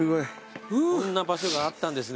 こんな場所があったんですね。